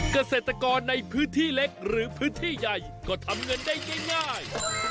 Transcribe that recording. เกษตรกรในพื้นที่เล็กหรือพื้นที่ใหญ่ก็ทำเงินได้ง่าย